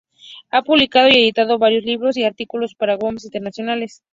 Ha publicado y editado varios libros y artículos para journals internacionales.